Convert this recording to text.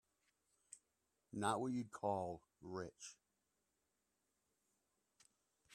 Not what you'd call rich.